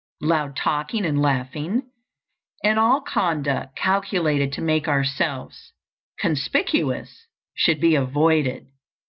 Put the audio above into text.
Loud talking and laughing, and all conduct calculated to make ourselves conspicuous, should be avoided.